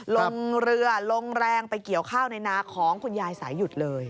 ลงเรือลงแรงไปเกี่ยวข้าวในนาของคุณยายสายหยุดเลย